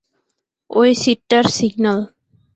ওই সিটটার সিগনাল।